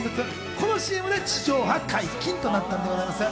このＣＭで地上波解禁になったんです。